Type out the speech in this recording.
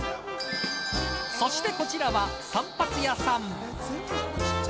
そして、こちらは散髪屋さん。